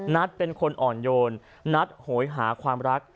นัทเป็นคนอ่อนโยนนัดโหยหาความรัก